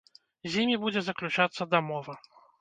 З імі будзе заключацца дамова.